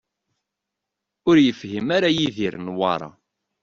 Ur yefhim ara Yidir Newwara.